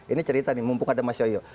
ini cerita nih mumpuk ada mas yoyo